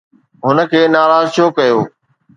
هن کي ناراض ڇو ڪيو؟